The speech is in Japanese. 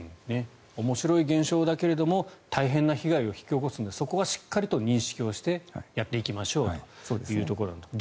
面白い現象だけれども大変な被害を引き起こすのでそこはしっかり認識してやっていきましょうということです。